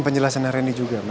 penjelasan hari ini juga ma